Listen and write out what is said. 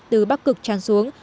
từ bắc cực tràn xuống